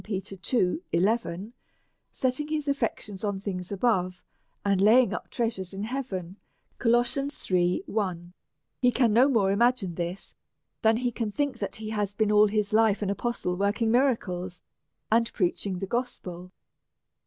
and jnlgrim, setting his affections upon tilings above, and lairing up treasures in heaven : He can no more imagine this than he can think that he has been all his life an apostle working' miracles^ and preaching the gospel.